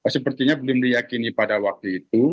sepertinya belum diyakini pada waktu itu